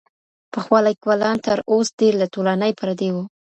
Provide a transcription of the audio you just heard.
پخوا ليکوالان تر اوس ډېر له ټولني پردي وو.